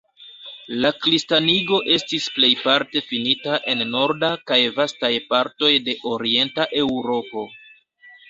La kristanigo estis plejparte finita en norda kaj vastaj partoj de orienta Eŭropo.